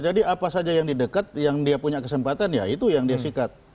jadi apa saja yang didekat yang dia punya kesempatan ya itu yang dia sikat